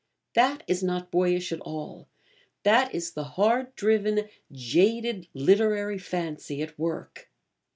That is not boyish at all; that is the hard driven, jaded literary fancy at work.